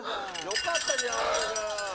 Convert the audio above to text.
「よかったじゃん尾形君」